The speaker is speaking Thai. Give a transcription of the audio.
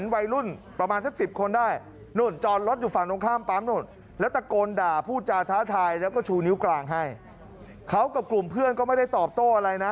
ในเอเนามสมมติหน้ารอบว่าเขาได้เรียนเทคนิคสมุดประการปีหนึ่ง